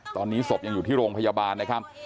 ตอนนี้ศพยังอยู่ที่โรงพยาบาลนะครับ